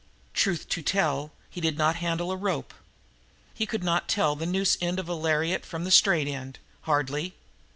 Truth to tell, he did not handle a rope. He could not tell the noose end of a lariat from the straight end, hardly.